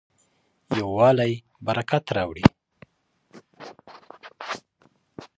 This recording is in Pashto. یووالی برکت راوړي.